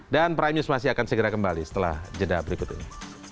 prime news masih akan segera kembali setelah jeda berikut ini